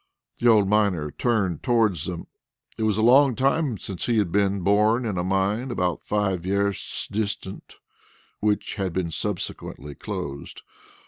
The old miner turned towards them. It was a long time ago since he had been born in a mine about five versts distant which had been subsequently closed.